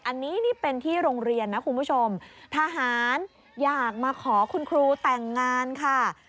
อันนี้นี่เป็นที่โรงเรียนนะคุณผู้ชมทหารอยากมาขอคุณครูแต่งงานค่ะ